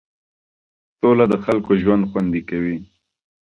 سوله د خلکو ژوند خوندي کوي.